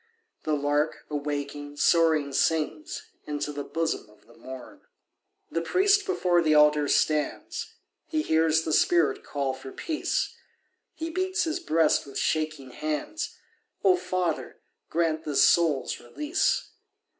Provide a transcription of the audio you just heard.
The lark, awaking, soaring sings Into the bosom of the morn. The priest before the altar stands, He hears the spirit call for peace; He beats his breast with shaking hands. "O Father, grant this soul's release.